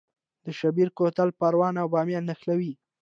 د شیبر کوتل پروان او بامیان نښلوي